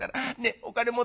お金持ってって」。